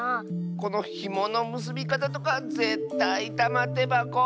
このひものむすびかたとかぜったいたまてばこ。